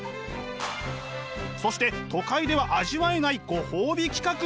そして都会では味わえないご褒美企画も。